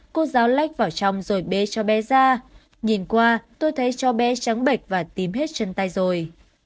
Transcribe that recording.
cô giáo lách vào trong rồi bê cho bé ra nhìn qua tôi thấy cho bé trắng bệch và tím hết chân tay rồi